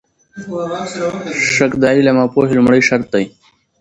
شک د علم او پوهې لومړی شرط دی.